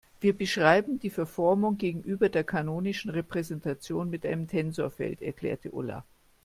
Wir beschreiben die Verformung gegenüber der kanonischen Repräsentation mit einem Tensorfeld, erklärte Ulla.